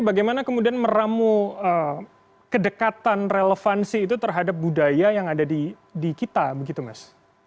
bagaimana kemudian meramu kedekatan relevansi itu terhadap budaya yang ada di kita begitu mas